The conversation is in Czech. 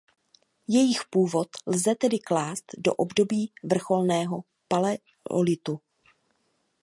Jejich původ lze tedy klást do období vrcholného paleolitu.